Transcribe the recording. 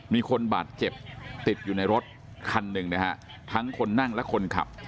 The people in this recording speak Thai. มีคนบาดเจ็บติดอยู่ในรถคันหนึ่งนะฮะทั้งคนนั่งและคนขับ